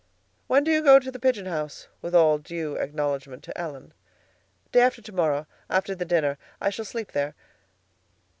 "When do you go to the 'pigeon house?'—with all due acknowledgment to Ellen." "Day after to morrow, after the dinner. I shall sleep there."